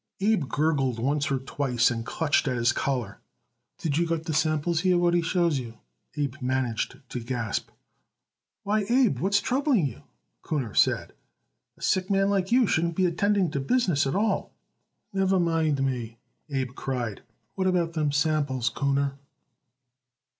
Abe gurgled once or twice and clutched at his collar. "Did you got the samples here what he shows you?" he managed to gasp. "Why, Abe, what's troubling you?" Kuhner said. "A sick man like you shouldn't be attending to business at all." "Never mind me," Abe cried. "What about them samples, Kuhner?"